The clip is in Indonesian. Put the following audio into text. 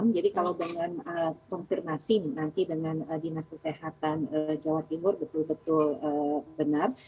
jadi kalau dengan konfirmasi nanti dengan dinas kesehatan jawa timur betul betul benar